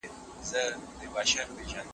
اقتصادي دیوان سالاري د نوي عصر اړتیا وه.